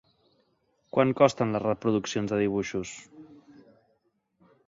Quant costen les reproduccions de dibuixos?